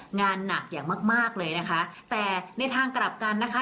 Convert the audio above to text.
งานหนักอย่างมากมากเลยนะคะแต่ในทางกลับกันนะคะ